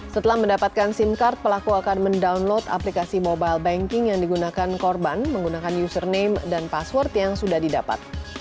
setelah mendapatkan sim card pelaku akan mendownload aplikasi mobile banking yang digunakan korban menggunakan username dan password yang sudah didapat